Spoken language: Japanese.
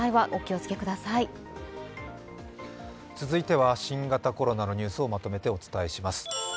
続いては新型コロナのニュースをまとめてお伝えします。